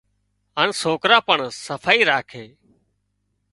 هانَ سوڪران پڻ صفائي راکي